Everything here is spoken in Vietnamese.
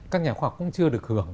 các nhà khoa học cũng chưa được hưởng